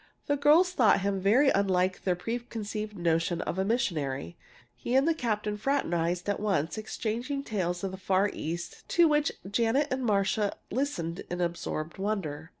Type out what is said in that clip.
The girls thought him very unlike their preconceived notions of a missionary. He and the captain fraternized at once, exchanging tales of the Far East to which Janet and Marcia listened in absorbed wonder.